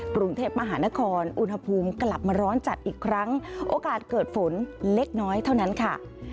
กรุงเทพมหานครอุณหภูมิกลับมาร้อนจัดอีกครั้งโอกาสเกิดฝนเล็กน้อยเท่านั้นค่ะ